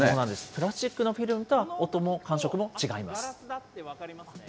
プラスチックのフィルムとは音も感触も違います。